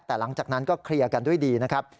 แต่หลังจากนั้นก็เคลียร์กันด้วยดีนะครับ